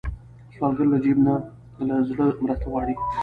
سوالګر له جیب نه، له زړه مرسته غواړي